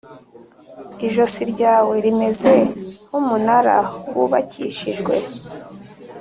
Ijosi ryawe rimeze nk umunara wubakishijwe